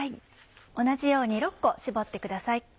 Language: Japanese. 同じように６個絞ってください。